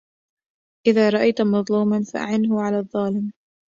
إذا رأيتَ مظلوماً فأعِنْهُ على الظّالم.